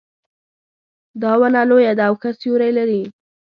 دا ونه لویه ده او ښه سیوري لري